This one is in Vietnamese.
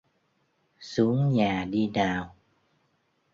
Xuống nhà đi nào